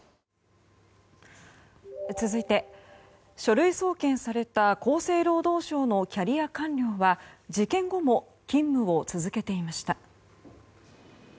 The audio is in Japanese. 続いて、書類送検された厚生労働省のキャリア官僚は事件後も勤務を続けていました。